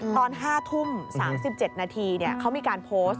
ตอน๕ทุ่ม๓๗นาทีเขามีการโพสต์